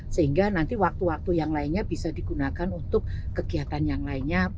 sehingga nanti waktu waktu yang lainnya bisa digunakan untuk kegiatan yang lainnya